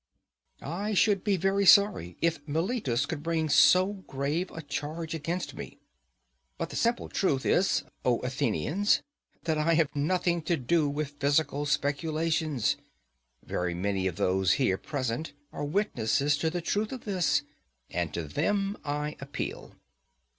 I should be very sorry if Meletus could bring so grave a charge against me. But the simple truth is, O Athenians, that I have nothing to do with physical speculations. Very many of those here present are witnesses to the truth of this, and to them I appeal.